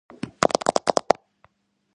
თავის მხრივ იყოფოდა შვიდ რეგიონად.